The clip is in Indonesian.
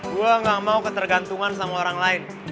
gue gak mau ketergantungan sama orang lain